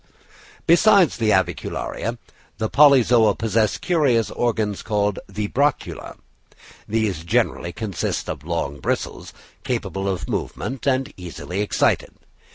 Besides the avicularia, the polyzoa possess curious organs called vibracula. These generally consist of long bristles, capable of movement and easily excited.